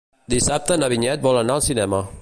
Dissabte na Vinyet vol anar al cinema.